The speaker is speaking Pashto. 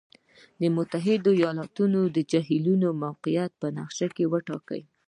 د متحد ایالاتو د جهیلونو موقعیت په نقشې کې وټاکئ.